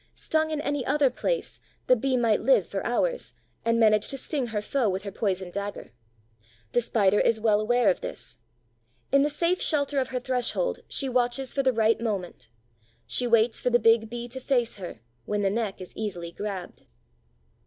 Stung in any other place, the Bee might live for hours and manage to sting her foe with her poisoned dagger. The Spider is well aware of this. In the safe shelter of her threshold she watches for the right moment; she waits for the big Bee to face her, when the neck is easily grabbed.